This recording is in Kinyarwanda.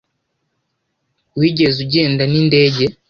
Wigeze ugenda n'indege?